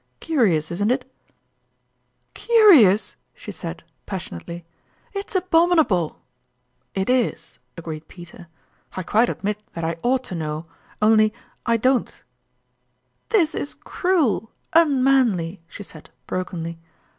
Curious, isn't it ?"" Curious ?" she said, passionately ;" it's abominable !"" It is," agreed Peter ;" I quite admit that I ought to know only, I don?t" " This is cruel, unmanly !" she said, broken ly.